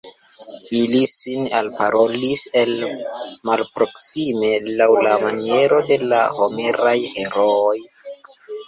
Ili sin alparolis el malproksime, laŭ la maniero de la Homeraj herooj.